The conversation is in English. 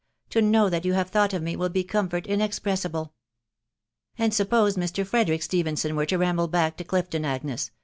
... To know that you have thought of me will be comfort inexpressible." " And suppose Mr. Frederick Stephenson were to ramble back to Clifton, Agnes